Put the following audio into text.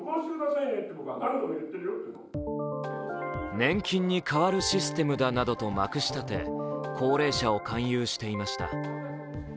年金に代わるシステムなどとまくし立て高齢者を勧誘していました。